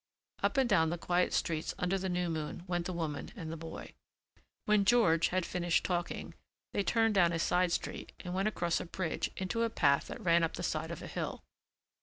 Up and down the quiet streets under the new moon went the woman and the boy. When George had finished talking they turned down a side street and went across a bridge into a path that ran up the side of a hill.